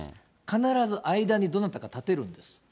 必ず間にどなたかを立てるんです。